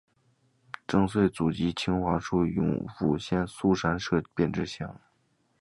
郑橞祖籍清华处永福县槊山社忭上乡。